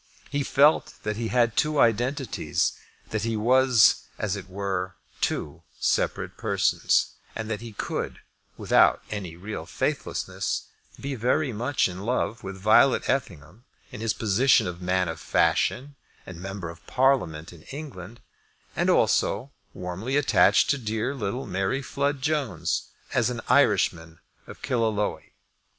He felt that he had two identities, that he was, as it were, two separate persons, and that he could, without any real faithlessness, be very much in love with Violet Effingham in his position of man of fashion and member of Parliament in England, and also warmly attached to dear little Mary Flood Jones as an Irishman of Killaloe.